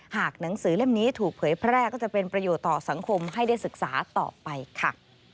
หนังสือเล่มนี้ถูกเผยแพร่ก็จะเป็นประโยชน์ต่อสังคมให้ได้ศึกษาต่อไปค่ะ